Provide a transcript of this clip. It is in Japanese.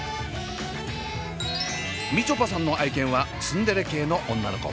みちょぱさんの愛犬はツンデレ系の女の子。